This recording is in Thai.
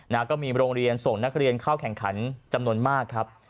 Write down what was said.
ก็มีโรงเรียนส่งนักเรียนเข้าแข่งขันจำนวนมากครับ